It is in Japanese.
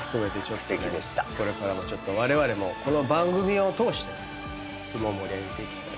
これからもちょっとわれわれもこの番組を通して相撲盛り上げていきたい。